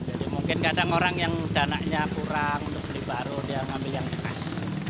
jadi mungkin kadang orang yang dana nya kurang untuk beli baru dia ngambil yang bekas